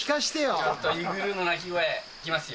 ちょっとイグルーの鳴き声いきますよ。